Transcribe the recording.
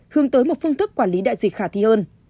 hướng tới một phương thức quản lý đại dịch khả thi hơn